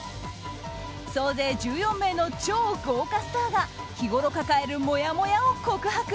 総勢１４名の超豪華スターが日ごろ抱える、もやもやを告白。